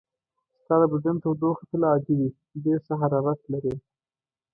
ستا د بدن تودوخه تل عادي وي، ډېر ښه حرارت لرې.